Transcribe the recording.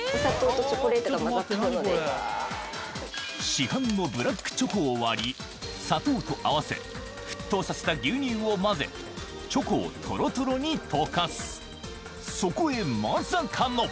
市販のブラックチョコを割り砂糖と合わせ沸騰させた牛乳を混ぜチョコをトロトロに溶かすそこへまさかの！